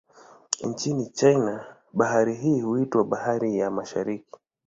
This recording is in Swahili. Nchini China, bahari hii inaitwa Bahari ya Mashariki.